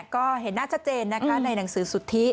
ก็เห็นหน้าชัดเจนนะคะในหนังสือสุทธิ